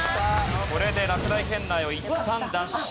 これで落第圏内をいったん脱しました。